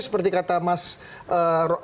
seperti kata pak jokowi